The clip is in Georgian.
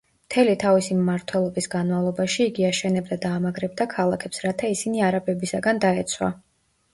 მთელი თავისი მმართველობის განმავლობაში იგი აშენებდა და ამაგრებდა ქალაქებს რათა ისინი არაბებისაგან დაეცვა.